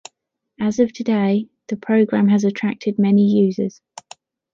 As of today, the program has attracted many users.